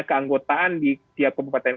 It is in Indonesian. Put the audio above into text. keanggotaan di setiap kpu